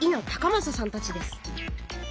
正さんたちです。